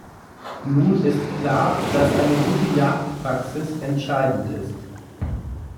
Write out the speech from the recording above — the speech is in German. Nun ist klar, dass eine gute Jagdpraxis entscheidend ist.